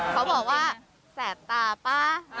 เขาบอกว่าแสบตาป่ะ